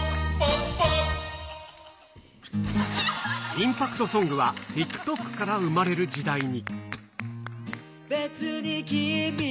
インパクトソングは、ＴｉｋＴｏｋから生まれる時代に。